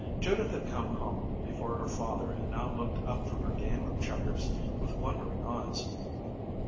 Judith had come home before her father and now looked up from her game of checkers with wondering eyes.